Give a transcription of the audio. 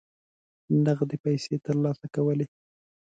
نغدي پیسې ترلاسه کولې.